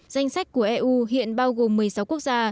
danh sách của eu hiện bao gồm một mươi sáu quốc gia